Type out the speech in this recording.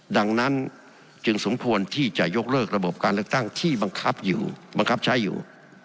ดังนั้นจึงสมพวนที่จะยกเลิกระบบการเลือกตั้งที่บังคับใช้อยู่